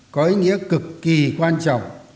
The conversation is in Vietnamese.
có ý nghĩa cực kỳ quan trọng